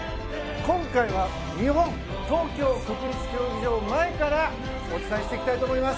今回は日本の東京・国立競技場前からお伝えしていきたいと思います。